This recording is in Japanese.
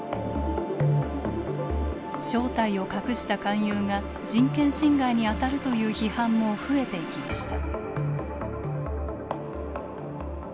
正体を隠した勧誘が人権侵害にあたるという批判も増えていきました。